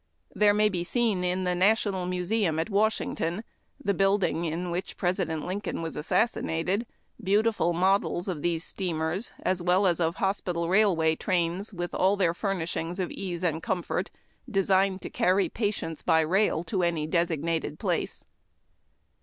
There may be seen in the National Museum at Washington, the building in which President Lincoln was assassinated, beautiful models of these steamers as well as of hospital railway trains with all their furnishings of ease and comfort, designed to carry patients by rail to any designated place.